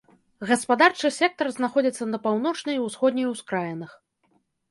Гаспадарчы сектар знаходзіцца на паўночнай і ўсходняй ускраінах.